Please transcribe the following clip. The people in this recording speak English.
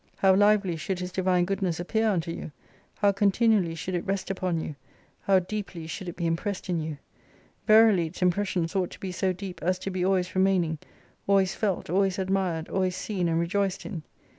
How lively should His divine goodness appear unto you ; how con tinually should it rest upon you ; how deeply should it be impressed in you ! Verily its impressions ought to be so deep, as to be always remaining, always felt, always admired, always seen and rejoiced in.